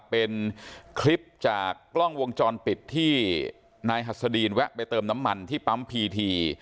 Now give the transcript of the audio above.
เป็นคลิปจากกล้องวงจรปิดที่นายหัสดีนแวะไปเติมน้ำมันที่ปั๊มพีที